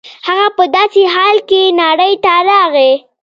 هغه په داسې حال کې نړۍ ته راغی.